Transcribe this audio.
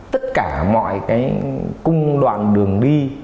tất cả mọi cái cung đoạn đường đi